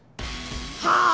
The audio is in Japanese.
はあ！？